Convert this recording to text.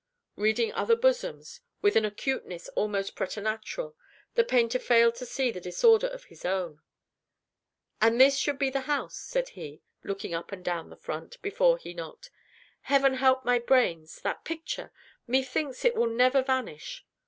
Reading other bosoms, with an acuteness almost preternatural, the painter failed to see the disorder of his own. "And this should be the house," said he, looking up and down the front, before he knocked. "Heaven help my brains! That picture! Methinks it will never vanish.